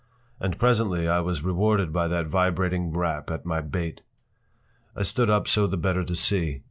And presently I was rewarded by that vibrating rap at my bait. I stood up so the better to see.